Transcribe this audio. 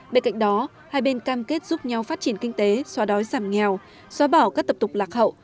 bên cạnh đó hai bên cam kết giúp nhau phát triển kinh tế xóa đói giảm nghèo xóa bỏ các tập tục lạc hậu